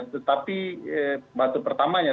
tetapi batu pertamanya